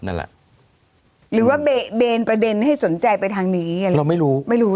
นั่นแหละหรือว่าเบนประเด็นให้สนใจไปทางนี้เราไม่รู้ไม่รู้